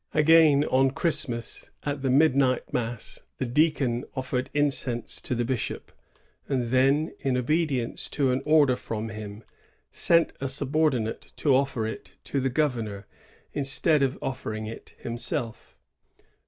^ Again, on Christmas, at the midnight mass, the deacon offered incense to the bishop, and tiien, in obedience to an order from him, sent a subordinate to offer it to the governor, instead of offering it him self.